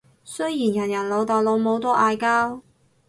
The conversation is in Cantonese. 雖然人人老豆老母都嗌交